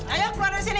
ayo keluar dari sini